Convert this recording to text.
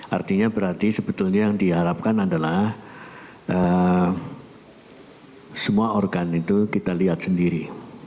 artinya berarti sebetulnya yang diharapkan adalah semua organ itu kita lihat sendiri